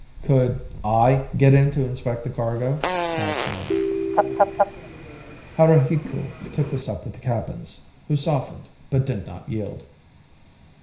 "Could I get in to inspect the cargo?" asked Mayne. Haruhiku took this up with the Kappans, who softened but did not yield.